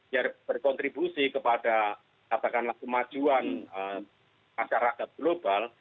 yang berkontribusi kepada katakanlah kemajuan masyarakat global